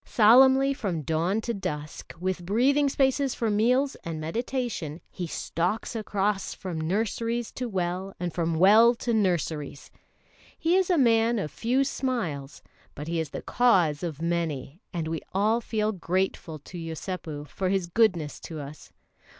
Solemnly from dawn to dusk, with breathing spaces for meals and meditation, he stalks across from nurseries to well and from well to nurseries. He is a man of few smiles; but he is the cause of many, and we all feel grateful to Yosépu for his goodness to us.